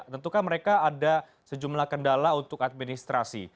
tentukan mereka ada sejumlah kendala untuk administrasi